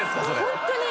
ホントに！